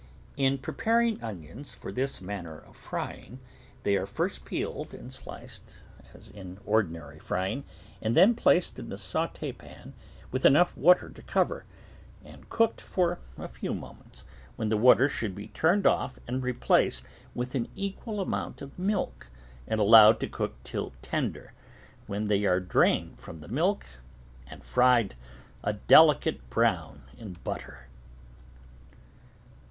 In preparing onions for this manner of frying, they are first peeled and sliced as in ordinary fry ing and then placed in the saute pan with enough water to cover, and cooked for a few moments, when the water should be turned off and replaced with an equal amount of milk and allowed to cook till tender, when they are drained from the milk and fried a delicate brown in hot butter.